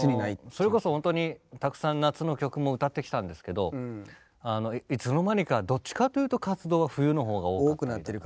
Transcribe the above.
それこそほんとにたくさん夏の曲も歌ってきたんですけどいつの間にかどっちかというと活動は冬の方が多かったり。